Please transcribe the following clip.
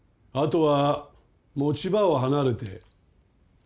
あとは持ち場を離れて。